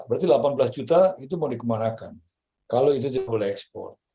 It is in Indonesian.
berarti delapan belas juta itu mau dikemanakan kalau itu tidak boleh ekspor